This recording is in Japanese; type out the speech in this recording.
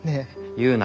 言うな。